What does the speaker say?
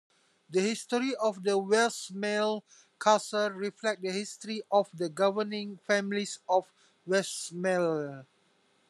The history of Westmalle Castle reflects the history of the governing families of Westmalle.